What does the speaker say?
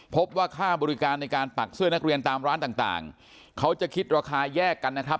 พบว่าค่าบริการในการปักเสื้อนักเรียนตามร้านต่างเขาจะคิดราคาแยกกันนะครับ